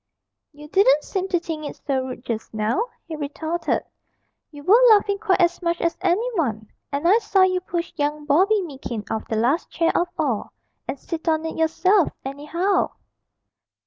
'You didn't seem to think it so rude just now,' he retorted; 'you were laughing quite as much as any one; and I saw you push young Bobby Meekin off the last chair of all, and sit on it yourself, anyhow.'